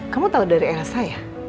kamu tahu dari elsa ya